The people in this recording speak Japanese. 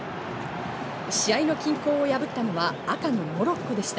試合の均衡を破ったのは、赤のモロッコでした。